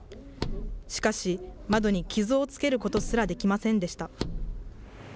しかし、窓に傷をつけることすらできませんでした。